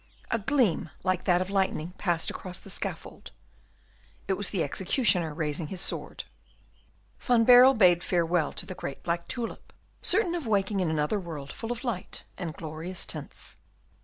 A gleam like that of lightning passed across the scaffold: it was the executioner raising his sword. Van Baerle bade farewell to the great black tulip, certain of awaking in another world full of light and glorious tints.